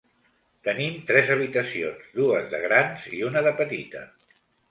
Tenim tres habitacions, dues de grans i una de petita.